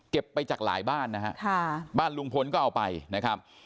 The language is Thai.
ไปจากหลายบ้านนะฮะบ้านลุงพลก็เอาไปนะครับ